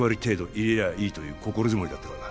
入れりゃいいという心づもりだったからだ